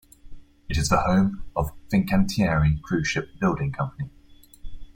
It is the home of Fincantieri cruise ship building company.